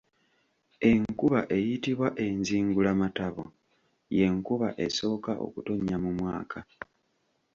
Enkuba eyitibwa enzigulamatabo y'enkuba esooka okutonnya mu mwaka.